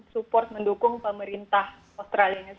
support mendukung pemerintah australia